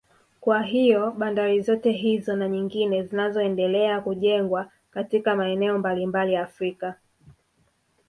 Kwa hiyo bandari zote hizo na nyingine zinazoendelea kujengwa katika maeneo mbalimbali Afrika